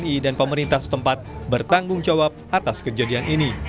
tni dan pemerintah setempat bertanggung jawab atas kejadian ini